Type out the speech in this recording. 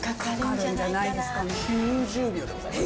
９０秒でございます。